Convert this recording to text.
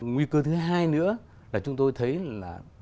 nguy cơ thứ hai nữa là chúng tôi thấy là